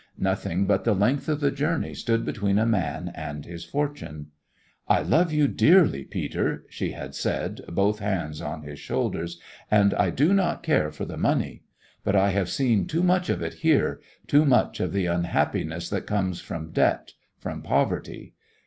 Nothing but the length of the journey stood between a man and his fortune. "I love you dearly, Peter," she had said, both hands on his shoulders, "and I do not care for the money. But I have seen too much of it here too much of the unhappiness that comes from debt, from poverty.